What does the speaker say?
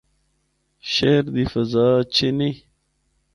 شہر دی فضا اچھی نیں۔